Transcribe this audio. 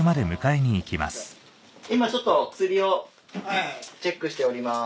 今ちょっと薬をチェックしております。